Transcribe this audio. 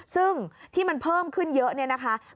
ซึ่งที่มันเพิ่มขึ้นเยอะ